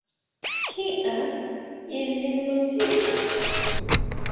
Kial, ili vin mortigus?